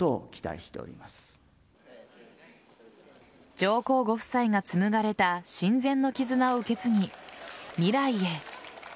上皇ご夫妻が紡がれた親善の絆を受け継ぎ未来へ。